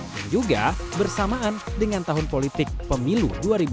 dan juga bersamaan dengan tahun politik pemilu dua ribu sembilan belas